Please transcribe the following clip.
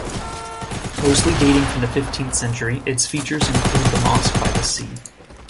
Mostly dating from the fifteenth century, its features include the Mosque by the Sea.